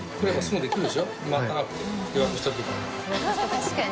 確かに。